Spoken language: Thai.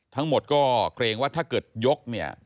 ทั้งหมดก็เกรงว่าถ้าเกิดยกเนี่ย